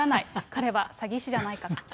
彼は詐欺師じゃないかと。